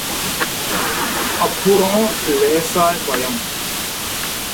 அப்புறம் லேசாய் பயம்.